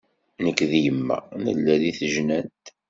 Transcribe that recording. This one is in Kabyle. Nekk d yemma nella deg tejnant.